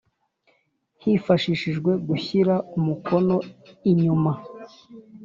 hifashishijwe gushyira umukono inyuma